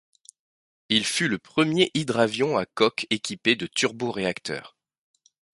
Il fut le premier hydravion à coque équipé de turboréacteurs.